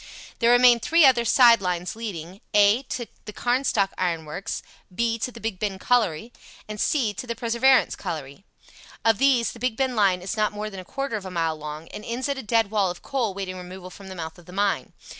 There remain three other side lines leading (a) To the Carnstock Iron Works; (b) To the Big Ben Colliery; (c) To the Perseverance Colliery. "Of these the Big Ben line is not more than a quarter of a mile long, and ends at a dead wall of coal waiting removal from the mouth of the mine.